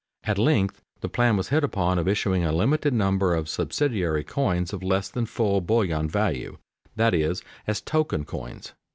At length the plan was hit upon of issuing a limited number of subsidiary coins of less than full bullion value, that is, as "token coins."